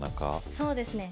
そうですね